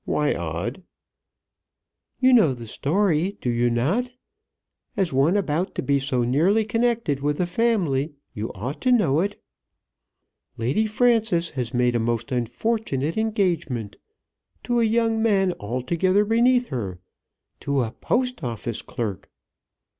Why odd?" "You know the story; do you not? As one about to be so nearly connected with the family, you ought to know it. Lady Frances has made a most unfortunate engagement, to a young man altogether beneath her, to a Post Office clerk!"